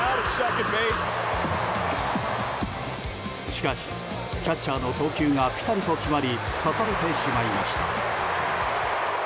しかし、キャッチャーの送球がぴたりと決まり刺されてしまいました。